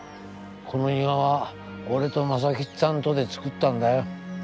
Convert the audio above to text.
この庭は俺と正吉さんとで作ったんだよ。